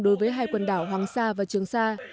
đối với hai quần đảo hoàng sa và trường sa